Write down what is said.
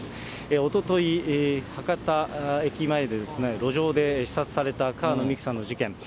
おととい、博多駅前で、路上で刺殺された川野美樹さんの事件。